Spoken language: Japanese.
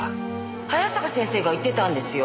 早坂先生が言ってたんですよ。